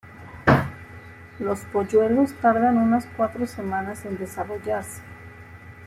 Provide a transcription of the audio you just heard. Los polluelos tardan unas cuatro semanas en desarrollarse.